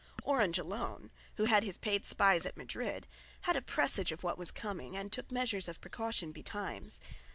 Orange alone, who had his paid spies at Madrid, had a presage of what was coming and took measures of precaution betimes.